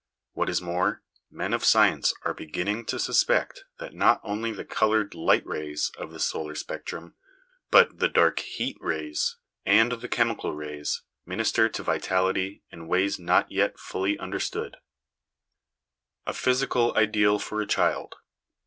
What is more, men of science are beginning to suspect that not only the coloured light rays of the solar spectrum, but the dark heat rays, and the chemical rays, minister to vitality in ways not yet fully understood. A Physical Ideal for a Child.